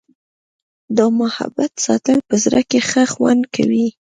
د محبت ساتل په زړه کي ښه خوند کوي.